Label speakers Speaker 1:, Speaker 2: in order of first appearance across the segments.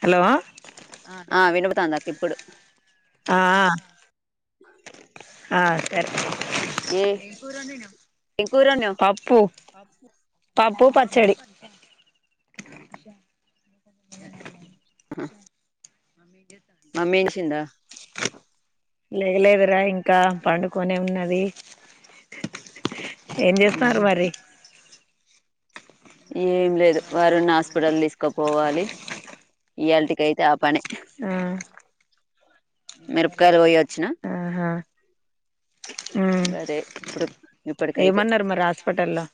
Speaker 1: Hello ఆ
Speaker 2: ఆ వినబతాంది అక్క ఇప్పుడు
Speaker 1: ఆ సరే
Speaker 2: ఏ
Speaker 1: ఎమ్ కూర వండినావ్
Speaker 2: ఏం కూర వండినావ్
Speaker 1: చప్
Speaker 2: ఆ
Speaker 1: అ
Speaker 2: మమేంసిందా
Speaker 1: లేగలేదురా ఇంకా పండుకొనే ఉన్నది వెయ్ ఏం చేస్తున్నారు మరి
Speaker 2: ఏం లేదు వారున్న హాస్పిటల్ తీసు తోక్కపోవాలి ఇయాలిటికైతే ఆ పనే
Speaker 1: హ్మ్
Speaker 2: మిరపకాయలు పోయొచ్చిన
Speaker 1: ఆహా ఉమ్
Speaker 2: ఇ అదే ఇప్పుడు ఇప్పటికైతే
Speaker 1: ఏమన్నారు మరి హాస్పిటల్లో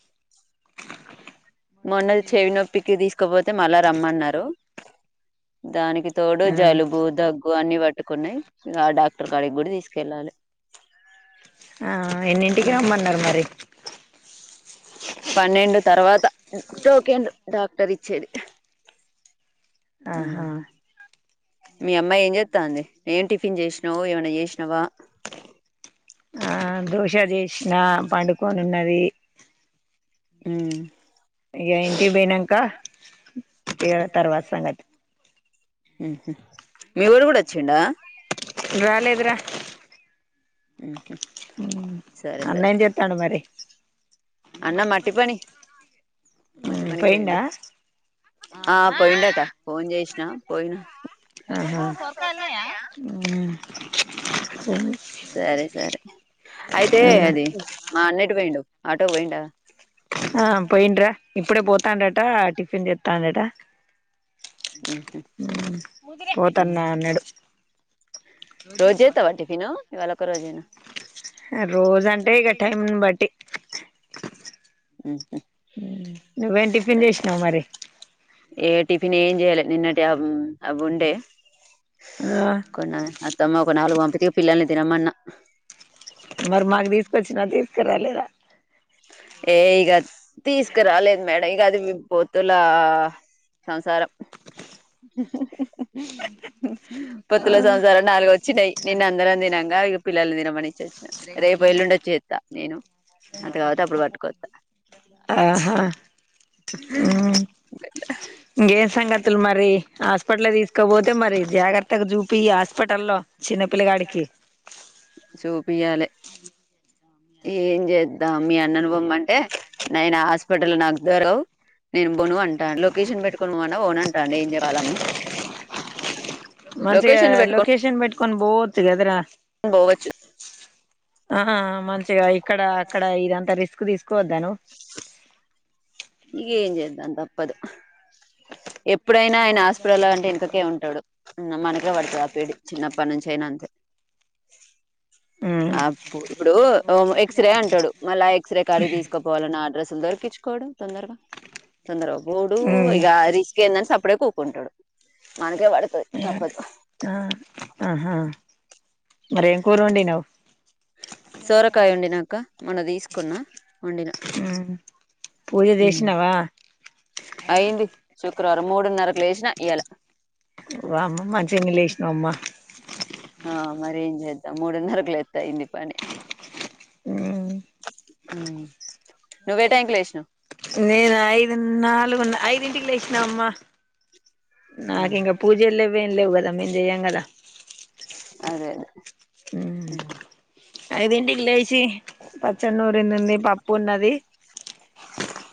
Speaker 2: మొన్నది చెవి నొప్పికి తీసుకు కాకపోతే మళ్ళా రమ్మన్నారు దానికి తోడు
Speaker 1: ఆ
Speaker 2: జలుబు దగ్గు అన్ని బట్ కొన్నాయి ఇ ఆ డాక్టర్ కాడికి కూడా తీసుకెళ్ళాలి
Speaker 1: ఆ ఎన్నింటికి రమ్మన్నారు మరి
Speaker 2: పన్నెండు తర్వాత టోకెన్ లు డాక్టర్ ఇచ్చేది
Speaker 1: ఆహా
Speaker 2: మీ అమ్మాయి ఏం చేతాంది ఏం టిఫిన్ చేసినావు ఏమన్న చేసినావా
Speaker 1: ఆ దోశ చేసిన పండుకొని ఉన్నది
Speaker 2: హ్మ్
Speaker 1: ఇగా ఇంటికి పోయినాంక [inaudible] ఏ తర్వాత సంగతి
Speaker 2: హ్మ్ హు మీ వోడు కూడా వచ్చిండ
Speaker 1: రాలేదు రా
Speaker 2: హ్మ్ హు
Speaker 1: హ్మ్ అన్నా ఏం చేతాన్నాడు మరి
Speaker 2: అన్న మట్టి పని మట్టి
Speaker 1: ఉమ్
Speaker 2: పనికి పోయిండు
Speaker 1: పోయిండా
Speaker 2: ఆ పోయిండటా ఫోన్ చేసిన పోయినా
Speaker 1: ఆహా ఉమ్
Speaker 2: సరే సరే అయితే అది మా అన్న పోయిండు ఆటో పోయిండా
Speaker 1: ఆ పోయిండ్రా ఇప్పుడే పోతాండట టిఫిన్ చె టండట
Speaker 2: ఉహు
Speaker 1: పోతున్నా అన్నాడు
Speaker 2: రోజు చేస్తావా టిఫిను ఇవాళ ఒక రోజేనా
Speaker 1: రోజు అంటే ఇక టైం బట్టి నువ్వేం టిఫిన్ చేసినావు మరి
Speaker 2: ఏ టిఫిన్ ఏం చేయ్యాల నిన్నటి అవుండే
Speaker 1: ఆ
Speaker 2: అత్తమ్మ ఒక నాలుగు పంపితే పిల్లల్ని తినమన్న [inaudible]
Speaker 1: మరి మాకు తీసుకొచ్చిన నా తీ ఇక రాలేదా
Speaker 2: ఏ ఇగ తీసుకురాలేదు మేడం ఇక అది పొత్తుల సంసారం [inaudible] ఉ [unintelligible] పొత్తులో సంవత్సర నాలుగు వచ్చినాయి నిన్న అందరం తినంగా పిల్లల్ని తినమని రేపు ఎల్లుండొచ్చ చేస్తా నేను అంత కాపోతే అప్పుడు పట్టుకొత్తా
Speaker 1: ఆహా ఇంకేం సంగతులు మరి హాస్పిటల్ తీసుకోపోతే మరి జాగ్రత్తగా చూ ఈ హాస్పిటల్లో లో చిన్నే యాడికి
Speaker 2: షోపి యాలే ఏం చేద్దాం మీ అన్నను బొమ్మ అంటే నేను హాస్పిటల్ నాకు దరవు నేను బోను అంటాను లొకేషన్ పెట్టుకొని పోన్నా బోన అంటాండి ఏం చెయవాలమ్మా
Speaker 1: మంచిగా లొకేషన్ పెట్టి పోవచ్చు కదరా
Speaker 2: పోవచ్చు
Speaker 1: ఆ మంచిగా ఆయి అక్కడ అక్కడ ఇదంతా రిస్క్ తీసుకోవద్దాను
Speaker 2: ఇగ ఏం చేద్దాం తప్పదు ఎ ఇప్పుడైనా ఆయన హాస్పిటల్ అంటే ఎనకకే ఉంటాడు మనకే పడతాది ఆ పేడి చిన్నప్పటి నుంచి అయినా అంతే ఆప్పు ఇప్పుడూ ఎక్స్ రేఅంటాడు మళ్ళా ఎక్స్ రే కాడికి తీసుకు పోవాలన్న అడ్రస్ దొరక ఎక్కిచ్చుకోడు తొందరగా తొందరగా బోడు ఇగ రిస్క్ ఎందని సప్ అప్పుడే కూకుంటడు. మనకే వడతది తప్పదు.
Speaker 1: ఆ ఆహా మరేం కూర వండినవ్
Speaker 2: సోరకాయ వండినక్క మొన్న తీసుకున్న
Speaker 1: ఊ పూజ చేశినవా
Speaker 2: అయింది శుక్రవారం మూడున్నరకు లేచిన ఇయ్యాల
Speaker 1: వామ్మో మంచిగనే లేసినవ్ అమ్మ
Speaker 2: ఆ మరి ఏం చేద్దాం మూడున్నరకు లేస్తే అయింది పని ఊ నువ్వే టైంకి లేషినవ్
Speaker 1: నేను ఐదు నాలుగు నా ఐదింటికి లేచినామ్మ నాకింక పూజల్లేవ్ లేవ్ గద మేం చెయ్యం కదా
Speaker 2: అదే అదే
Speaker 1: ఊ ఐదింటికి లేచి పచ్చడి నూరింది ఉంది పప్ పప్పు ఉన్నది.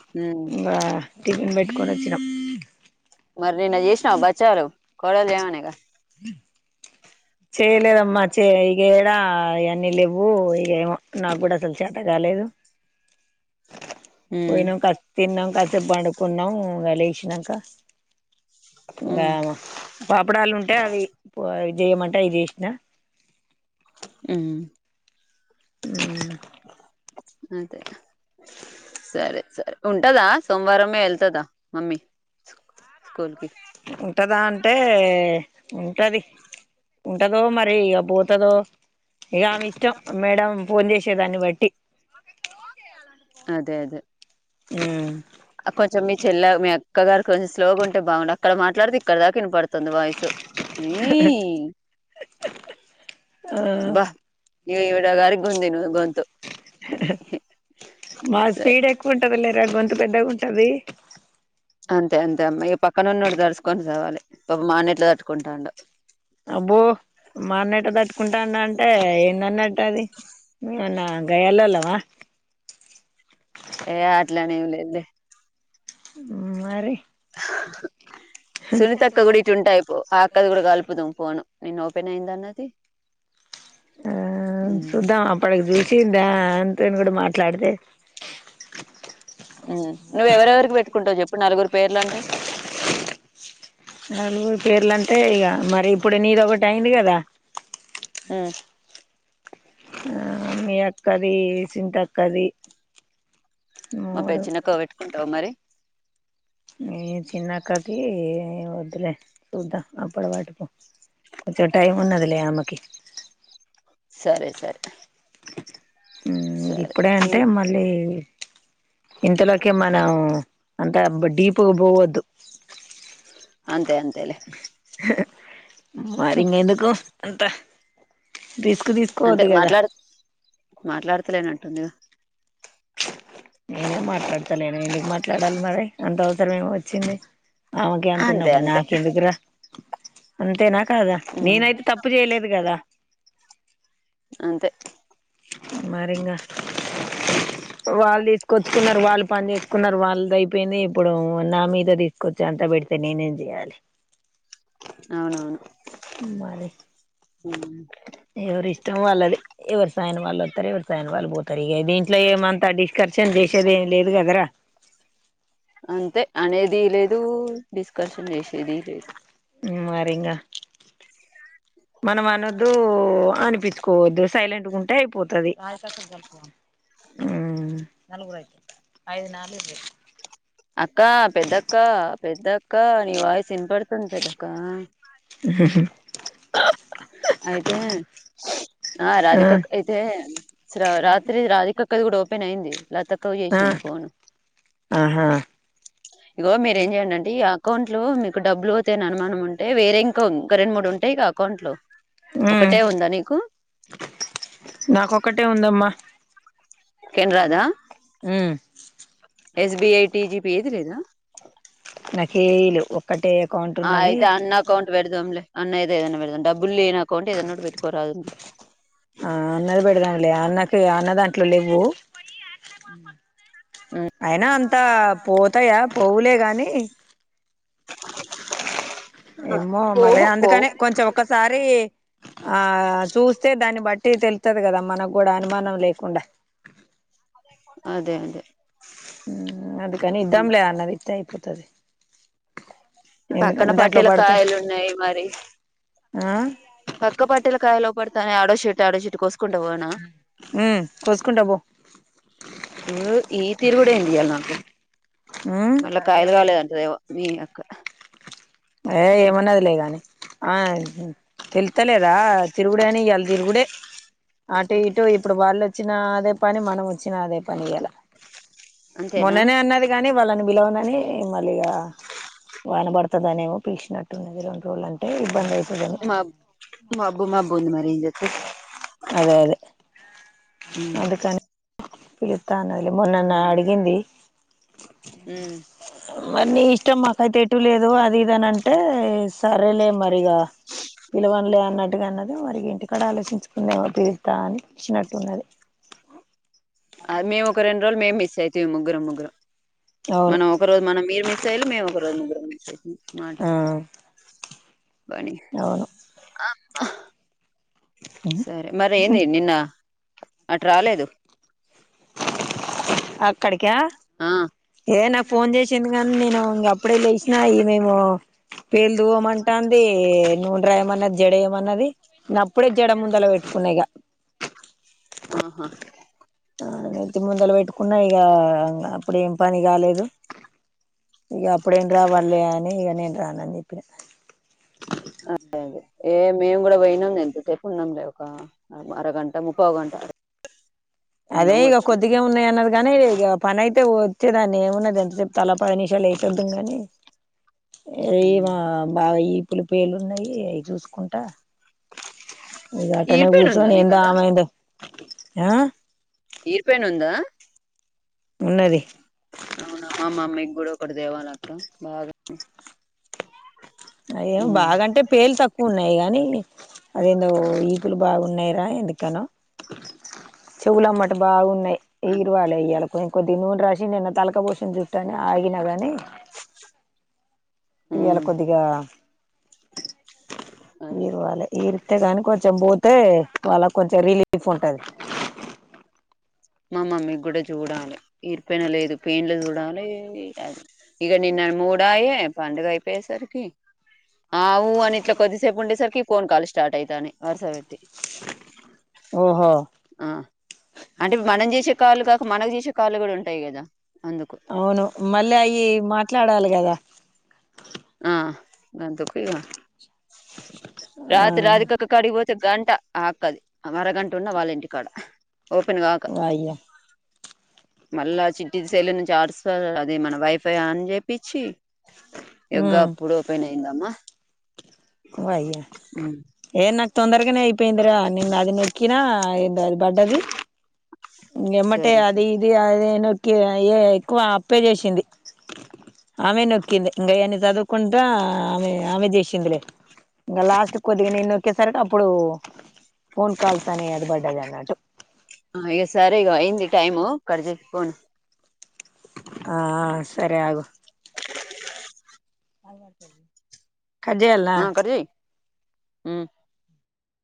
Speaker 2: అదే
Speaker 1: ఇంగా టిఫెన్ పెట్ కొనోచ్చినం.
Speaker 2: మరి నిన్న చేసినవ బచ్చాలు కొడలు చేయమనేగా
Speaker 1: చేయలేదమ్మ చే ఈ గిడా యన్ని లేవ్ ఓ ఇక ఏమో నాకు కూడా అసలు చేత కాలేదు.
Speaker 2: ఉమ్
Speaker 1: పోయినం కలిసి తిన్నాం కాసేపు పడుకున్నాం ఇంగ లేసి నంక
Speaker 2: ఉమ్
Speaker 1: ఇంకగామే పాపడాలు ఉంటే అవి పో చేయమంటే అవి చేసినా
Speaker 2: ఆ
Speaker 1: ఆ
Speaker 2: అదే సరే సరే ఉంటదా సోమవారంమే వెళ్తదా మమ్మీ స్కూల్కిి
Speaker 1: ఉంటదా అంటే ఉన్ గది ఉంటదో మరి ఇక పోతదో ఇక మీ ఇష్టం మేడం ఫోన్ చేసేదాన్ని బట్టి
Speaker 2: అదే అదే కొంచెం మీ చెల్ల మీ అక్క గారు కొంచెం స్లోగ ఉంటే బాగుండ అక్కడ మాట్డదిక్కడ దాకాన పడు తొంద వయసు నీ
Speaker 1: ఆ
Speaker 2: భ ఇ ఇవిడ గారి గుంతు ఇది గొంతు
Speaker 1: హె హె మా
Speaker 2: సరే
Speaker 1: స్పీడ్ ఎక్కువ ఉంటదలెర కొంత ఎంత పెద్దగా ఉంటది
Speaker 2: అంతే అంతే అమ్మయి ఈ పక్కనున్నడిడు దడుచకొని చవాలి పా మాన్నట్లు తట్టుకుంటాండు
Speaker 1: అబ్బో మా అన్నెట తట్టుకుంటాన్న అంటే ఏందన్నట్టు అదిమన్న గాయ్యాలోళ్ళవా
Speaker 2: ఏ అట్లానె ఉండెద్ది
Speaker 1: ఉమ్ మరి
Speaker 2: హ సులితక్క కూడ ఇటు ఉంటె అయిపో ఆకదు కూడా కాలిపుదం పోను నిన్న ఒపెన్ అయిందన్నది
Speaker 1: ఆ చూద్దాం అప్పడకి జూషిం దాంత దేన్ కూడ మాట్లాడితే
Speaker 2: నువ్వెవరికి పెట్టుకుంటవు చెప్పు నలుగురు పేర్లు అంటే
Speaker 1: నలుగురు పేర్లంటే ఇక మరి ఇప్పుడు నీదొకటి అయింది కదా
Speaker 2: మ్య
Speaker 1: ఆ మీ అక్కది సింతక్కది
Speaker 2: మా పె
Speaker 1: మూడు
Speaker 2: చిన్నక్కకు పెట్టుకుంటావు మరి
Speaker 1: ఈ చిన్నక్కది ఎ వద్దు లే సూద్దాం అప్పటి వరకు కొంచెం టైం ఉన్నదిలే అమ్మకి
Speaker 2: సరె సరె
Speaker 1: ఉమ్ ఇప్పుడే అంటే
Speaker 2: హ్మ్.
Speaker 1: మళ్ళీ ఇంతలోకె మనం అంత డీప్ గ పోవద్దు
Speaker 2: అంతే అంతేలే
Speaker 1: హె మారింగ్ ఎందుకు అంతా
Speaker 2: అంటె మాట్లాడు మాట్లాడతలేనంటుందిగా
Speaker 1: నేనేం మాట్లాడతలే నెన్ ఎందుకు మాట్లాడాలి మరి అంత అవసరం ఏమో వచ్చింది ఆమెకె అంత
Speaker 2: అంతే
Speaker 1: ఉన్నప్పుడు
Speaker 2: అంతే
Speaker 1: నాకేందుకురా అంతేనా కదా
Speaker 2: ఉమ్
Speaker 1: నేనైతే తప్పు చేయలేదు కదా
Speaker 2: అంతే
Speaker 1: మరి ఇంగ వాళ్ళు తీసుకొచ్చుకున్నారు వాళ్ళు పని చేసుకున్నారు వాళ్ళది అయిపోయింది ఇప్పుడు నా మీద తీసుకొచ్చ అంత పెడితే నేనేం చేయాలి.
Speaker 2: అవునవును
Speaker 1: మరి
Speaker 2: ఉమ్
Speaker 1: ఎవరి ఇష్టం వాళ్ళది ఎవరు సాయన వాళ్ళు వత్తరు ఎవరు సాయన వాళ్ళు పోతారు ఇగ దీంట్లో ఏమంతా డిస్కర్షన్ చేసేది ఏమి లేదు కదరా
Speaker 2: అంతే అనేది లేదు దు డిస్కషన్ చేసేది లేదు
Speaker 1: మరి ఇంగ మనం అనద్దు అనిపిచ్చు కోవ ద్దు సైలెంట్ ఉంటే అయిపోతుది హు
Speaker 2: అక్క పెద్దక్క పెద్దక్క నీ వాయిసు వినపడుతుంది పెద్దక్క అయితే ఆ రాధిక అక్క అయితే రాత్రి రాధిక అక్కది కూడా ఓపెన్ అయింది లత అక్కకు
Speaker 1: ఆ
Speaker 2: చేసింది ఫోను
Speaker 1: ఆహా
Speaker 2: ఇగో మీర ఏం చెయండి అంటే ఈ అకౌంట్లో మీకు డబ్బులు పోతయని అనుమానం ఉంటే వేరే ఇంకాంక రెండు మూడుంటయి ఇక అకౌంట్ లు
Speaker 1: ఉమ్
Speaker 2: ఒకటే ఉందా నీకు
Speaker 1: నాకొక్కటే ఉందమ్మా
Speaker 2: కెనరా దా
Speaker 1: ఉమ్
Speaker 2: ఎస్బిఐ టిజిపి ఏది లేదా
Speaker 1: నాకేయి లేవు ఒక్కటే అకౌంట్
Speaker 2: ఆ
Speaker 1: ఉన్నది
Speaker 2: అయితే అన్న అకౌంట్ పెడదాంలే అన్న ఏదో ఏదైనా పెడదాం డబ్బులు లేని అకౌంట్ ఏదైనా పెట్టుకోరాదు
Speaker 1: ఉన్న దాంట్లో లేవు
Speaker 2: ఉమ్.
Speaker 1: అయినా అంత పోతాయా పోవులే గాని ఏమో మరి
Speaker 2: పోవు పోవు
Speaker 1: అందుకనే కొంచెం ఒకసారి ఆ చూస్తే దాన్ని బట్టి తెలు స్థాధి కదా మనకు కూడా అనుమానం లేకుండా
Speaker 2: అదే అదే
Speaker 1: హు అందుకని
Speaker 2: ఉమ్.
Speaker 1: ఇద్దాంలే అన్నది ఇత్తే అయిపోతాది
Speaker 2: పక్కన
Speaker 1: దాంట్లో
Speaker 2: పట్టల
Speaker 1: పడితే
Speaker 2: కాయలు ఉన్నాయి మరి
Speaker 1: ఆ
Speaker 2: పక్క పట్టేల కాయలు పడుత త అడో చెట్టు ఆడో చెట్టు కోసుకొస్తే
Speaker 1: ఉ కోసుకుంటబ్బో
Speaker 2: ఇరు ఈ తీరు కూడా ఏం తీయాలి నాకు
Speaker 1: ఉమ్
Speaker 2: మళ్ళీ కాయలు కాలేదంటదైవ మీయక్క
Speaker 1: ఏ ఏమన్నదు లేగాని ఆ తెలుతలేదా తిరుగుడే అని ఇయ్యాలి తిరుగుడే అటు ఇటు ఇప్పుడు వాళ్ళు వచ్చిన అదే పని మనం వచ్చిన అదే పని ఇయాలా
Speaker 2: అంతేనా
Speaker 1: మొన్ననే అన్నది కాన్ వాళ్ళని విిలవనని మళ్ళీ వాన పడుత ధానే మో పిల్చినట్టుంది గల
Speaker 2: మాబ్ మబ్బు మబ్బుగుంది మారేంజేదం [inaudible]
Speaker 1: అదే అదే
Speaker 2: ఉమ్
Speaker 1: పిలుతానైంది మొనన్న అడిగింది
Speaker 2: మ్మ్
Speaker 1: మార్ నీ ఇష్టం మాకైతే ఎట్ చ లేదు అది ఇదని అంటే సరేలే మరిగ పిలవన్ లే అన్నట్టుగా అన్నది మరి ఇంటికాడ ఆలోచించుకుందమో పిరుతా అని వచ్చినట్టున్నది
Speaker 2: అ మేము ఒక రెంరోలు మే మిస్ అయి మే ముగ్రం ముగ్రం
Speaker 1: అవును
Speaker 2: మనం ఒక రోజు మనం మీర్ మీర్ సైలు మేమ్ ఒక రోజు ముగ్గురం
Speaker 1: ఆ
Speaker 2: బని
Speaker 1: అవును
Speaker 2: ఆ ఆ హా సరే మర్ ఏన్ ది నిన్న అటు రాలేదు
Speaker 1: అ అక్కడికా
Speaker 2: ఆ
Speaker 1: ఏ నాకు ఫోన్ చేసింది కానీ నేను ఇంగ అప్పుడే లేసినా ఈ మేమో పేలు దువమంటంధీ నూనే రాయమన్నద్ జడే ఏయమన్నది గ్ప్ ఇప్పుడే జడ ముందల పెట్టుకున్న ఇగ
Speaker 2: ఆహ
Speaker 1: ఆ నెత్తి ముందల వెట్టుకున్నా ఇగ అప్పుడేం పని కాలేదు. ఇగ అప్పుడేమ్ రావల్లే అని ఇగ నేన్ రానన్ జెప్పిన
Speaker 2: ఏ మేమ్ గుడ వొయ్నాం ఎంతసేపున్నంలే ఒక అరగంట ముప్పావ్ గంట.
Speaker 1: అదే
Speaker 2: ఉన్నాము
Speaker 1: ఇగ
Speaker 2: వచ్చినాం
Speaker 1: కొద్దిగే ఉన్నాయ్ అన్నది గాని ఇగ పనైతే వొచ్చేదాన్ని ఏమున్నది ఎంత సేపు తల పదినిమిషాలే. చేద్దుంగానీ ఏయ్
Speaker 2: మ్మ్
Speaker 1: మా బావ ఈ పుల్ పేల్లున్నాయి అయి చూసుకుంటా ఇంగటనే
Speaker 2: ఈరిపైన ఉందా
Speaker 1: కూస్సోనేందో
Speaker 2: నీకాడ
Speaker 1: ఆమెందో ఆ.
Speaker 2: ఈర్పెను ఉందా
Speaker 1: ఉన్నది
Speaker 2: ఔనా మా మమ్మీ గూడొకటి తేవాలక్క బాగ.
Speaker 1: అయ్యో
Speaker 2: మ్మ్
Speaker 1: బాగంటే పేల్ తక్కువున్నాయ్ గానీ. అదేందో ఈపులు బాగున్నాయ్రా ఎంటికను. చెవులమ్మట బాగున్నయ్ ఈర్వాళె ఇయ్యాల. నే కొద్దిగ్ నూనె రాశి నిన్న తలకపోష్ [unintelligible] జుట్టని ఆగినాగాని. ఇవ్వాల
Speaker 2: మ్మ్
Speaker 1: కొద్దిగా
Speaker 2: అదే
Speaker 1: ఈరువాలే ఈరుత్తే గాని కొంచెం బో. తే వాళ్ళక్కొంచెం రిలీఫుంటది
Speaker 2: మా మమ్మీగ్గూడా చూడాలె ఈర్పెన లేదు పేండ్లు జూడాలే ఇక నిన్నన్ మూడాయే పండుగైపోయేసరికి. ఆవు అనిట్ల కొద్దిసేపుండేసరికి ఫోన్ కాల్లు స్టార్టైతాన్నాయ్ వర్సబెట్టి
Speaker 1: ఓహో
Speaker 2: ఆ అంటే మనం జేషే కాల్లు గాక మనక్ జేషే కా [unintelligible] గూడుంటాయ్ కదా. అందుకు
Speaker 1: ఔను మళ్ళీ అయి మాట్లాడాలి గదా.
Speaker 2: ఆ గందుక్కు ఇగ
Speaker 1: ఆ
Speaker 2: రాత్తిరాధికక్క కాడిక్ పోతే గంట. ఆ అక్కది అమరగంటున్న వాళ్ళింటికాడ ఓపెన్ గాక
Speaker 1: వయ్యా
Speaker 2: మళ్ళా చిట్టిది సైలా నుంచి ఆర్స్ ఆ అదే మన వైఫై ఆన్ చేపించి యొగ అప్పుడు పోయినాయి ఎందమ్మా
Speaker 1: అయ్యా ఏం నాకు తొందరగానే అయిపోయిందిరా నిన్న అది నొక్కినా ఏంద అది పడ్డది ఎమ్మటే
Speaker 2: సరే సరే
Speaker 1: అది ఇది అది ను ఏ ఎక్కువ అప్పే చేసింది ఆమె నొక్కింది ఇంకా అయన్ని చదువుకుంటా ఆమె ఆమె చేసిందిలే ఇంకా లాస్ట్ కొద్దిగా నే నొక్కేసరికి ఇప్పుడు ఫోన్ కాల్స్ అనే అది పడ్డది అన్నట్టు
Speaker 2: ఇగ అయింది టైమ్ కట్ చేయి ఫోన్
Speaker 1: ఆ సరే ఆగు
Speaker 2: జు
Speaker 1: అబ చె
Speaker 2: కట్ జయ్ హ్మ్